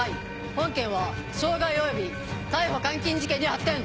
本件は傷害および逮捕監禁事件に発展。